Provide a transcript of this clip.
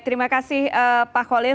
terima kasih pak kholil